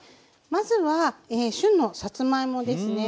まずは旬のさつまいもですね。